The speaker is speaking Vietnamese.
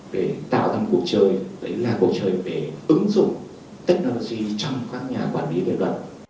để tạo ra một cuộc chơi là một cuộc chơi để ứng dụng technology trong các nhà quản lý về luật